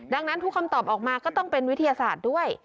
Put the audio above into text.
ดังนั้นทุกคำตอบออกมาก็ต้องเป็นวิทยาศาสตร์ด้วย